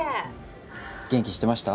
元気してました？